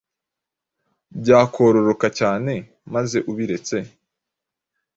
byakororoka cyane maze ubiretse